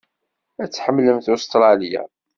Ad tḥemmlemt Ustṛalya.